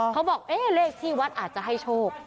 เขาบอกเลขที่วัดอาจจะให้โชค